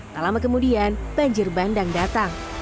tak lama kemudian banjir bandang datang